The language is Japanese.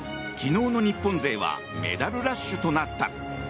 昨日の日本勢はメダルラッシュとなった。